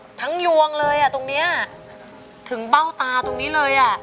ทั้งยวงเลยอ่ะตรงเนี้ยถึงเบ้าตาตรงนี้เลยอ่ะ